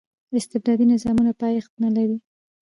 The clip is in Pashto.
استبدادي نظامونه پایښت نه لري.